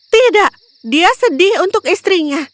tidak dia sedih untuk istrinya